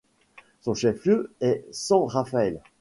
Son chef-lieu est San Rafael.